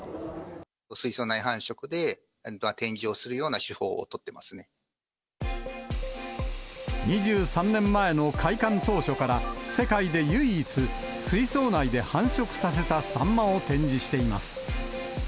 水槽内繁殖で展示をするよう２３年前の開館当初から、世界で唯一、水槽内で繁殖させたサンマを展示しています。